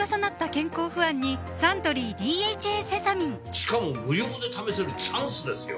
しかも無料で試せるチャンスですよ